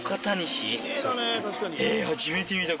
へぇ初めて見た！